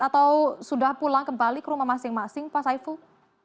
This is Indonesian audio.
atau sudah pulang kembali ke rumah masing masing pak saiful